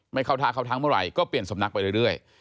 ไม่เข้าท่าเข้าทางเมื่อไหร่ก็เปลี่ยนสำนักไปเรื่อย